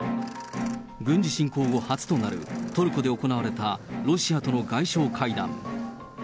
軍事侵攻後初となる、トルコで行われたロシアとの外相会談。